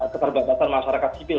keterbatasan masyarakat sipil